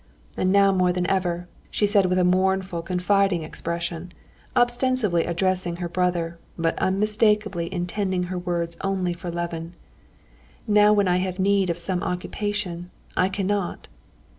And now more than ever," she said with a mournful, confiding expression, ostensibly addressing her brother, but unmistakably intending her words only for Levin, "now when I have such need of some occupation, I cannot."